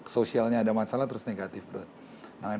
socialnya ada masalah terus negatif benar